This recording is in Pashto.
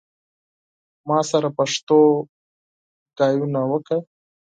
ما سره پښتو خبری اوکړه